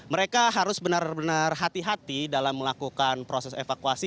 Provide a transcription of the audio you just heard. mereka harus benar benar hati hati dalam melakukan proses evakuasi